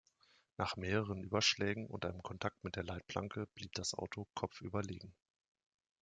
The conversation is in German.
Nach mehreren Überschlägen und einem Kontakt mit der Leitplanke blieb das Auto kopfüber liegen.